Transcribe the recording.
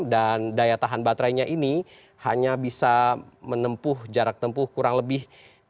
dan daya tahan baterainya ini hanya bisa menempuh jarak tempuh kurang lebih tiga ratus lima puluh